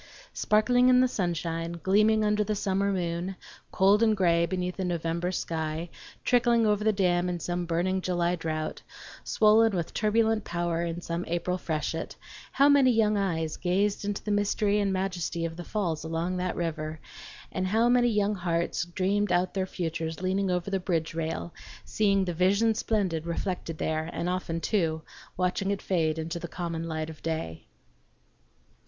Sparkling in the sunshine, gleaming under the summer moon, cold and gray beneath a November sky, trickling over the dam in some burning July drought, swollen with turbulent power in some April freshet, how many young eyes gazed into the mystery and majesty of the falls along that river, and how many young hearts dreamed out their futures leaning over the bridge rail, seeing "the vision splendid" reflected there and often, too, watching it fade into "the light of common day."